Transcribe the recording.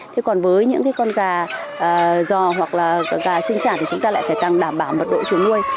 thế còn với những con gà giò hoặc là gà sinh sản thì chúng ta lại phải đảm bảo mật độ trường nuôi